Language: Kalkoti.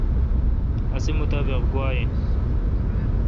اسی مطابق گوا این۔